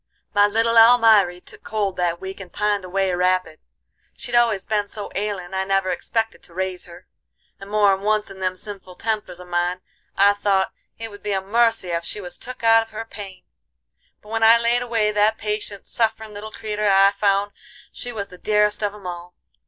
My little Almiry took cold that week and pined away rapid. She'd always been so ailin' I never expected to raise her, and more 'n once in them sinful tempers of mine I'd thought it would be a mercy ef she was took out of her pain. But when I laid away that patient, sufferin' little creeter I found she was the dearest of 'em all.